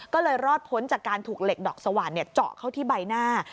ก็เลยรอดพ้นจากการถูกเหล็กดอกสว่านเจาะเข้าที่ใบหน้า